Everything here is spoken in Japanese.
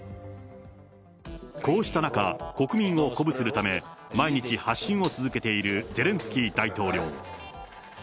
こうした中、国民を鼓舞するため、毎日発信を続けているゼレンスキー大統領。